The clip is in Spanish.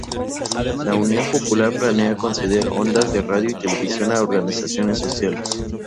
La Unión Popular planea conceder ondas de radio y televisión a organizaciones sociales.